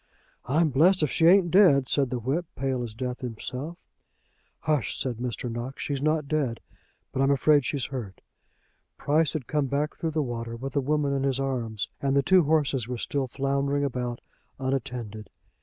"I'm blessed if she ain't dead," said the whip, pale as death himself. "H sh!" said Mr. Knox; "she's not dead, but I'm afraid she's hurt." Price had come back through the water with the woman in his arms, and the two horses were still floundering about, unattended.